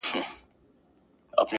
که سړی ورخ د اوښکو وتړي هم,